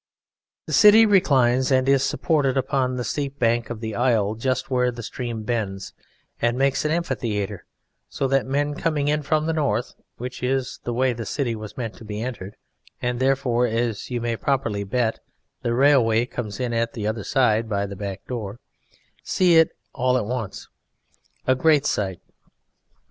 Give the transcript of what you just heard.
The city reclines and is supported upon the steep bank of the Isle just where the stream bends and makes an amphitheatre, so that men coming in from the north (which is the way the city was meant to be entered and therefore, as you may properly bet, the railway comes in at the other side by the back door) see it all at once: a great sight.